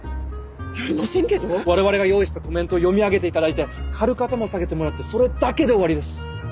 われわれが用意したコメントを読み上げていただいて軽く頭を下げてもらってそれだけで終わりです。